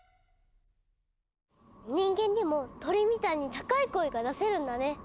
人間にも鳥みたいに高い声が出せるんだね。